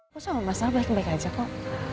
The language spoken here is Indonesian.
masa masalah balik balik aja kok